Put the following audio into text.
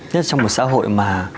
nhất trong một xã hội mà